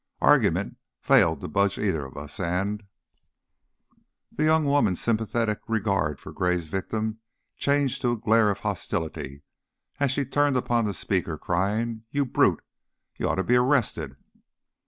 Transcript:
Argument failed to budge either of us and " The young woman's sympathetic regard of Gray's victim changed to a glare of hostility as she turned upon the speaker, crying: "You brute! You ought to be arrested!"